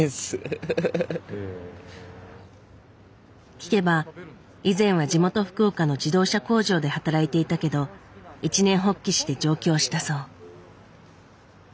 聞けば以前は地元福岡の自動車工場で働いていたけど一念発起して上京したそう。